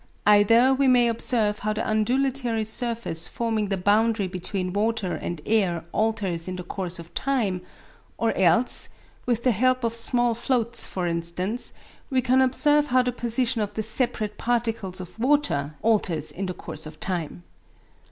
Either we may observe how the undulatory surface forming the boundary between water and air alters in the course of time; or else with the help of small floats, for instance we can observe how the position of the separate particles of water alters in the course of time.